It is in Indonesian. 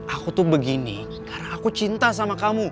aku tuh begini karena aku cinta sama kamu